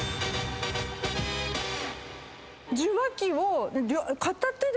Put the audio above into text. ⁉受話器を片手で持つの？